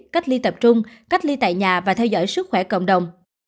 cách ly tập trung cách ly tại nhà và theo dõi sức khỏe cộng đồng